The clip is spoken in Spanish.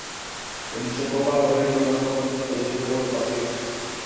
En dicha copa, Braulio no marcó tantos pero si jugó los partidos.